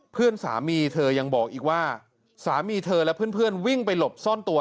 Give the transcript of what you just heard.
เพื่อนสามีเธอยังบอกอีกว่าสามีเธอและเพื่อนวิ่งไปหลบซ่อนตัว